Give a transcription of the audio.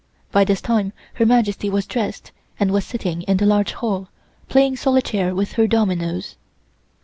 By this time Her Majesty was dressed and was sitting in the large hall, playing solitaire with her dominoes.